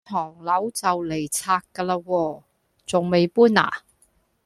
呢幢樓就嚟拆架嘞喎，重未搬呀？